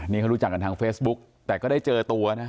นี่เขารู้จักกันทางเฟซบุ๊กแต่ก็ได้เจอตัวนะ